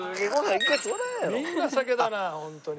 みんな酒だなホントに。